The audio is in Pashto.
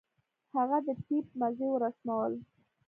هغه د ټېپ مزي ورسمول.